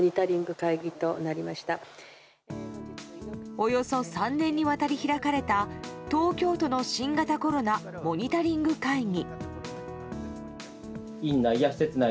およそ３年にわたり開かれた東京都の新型コロナモニタリング会議。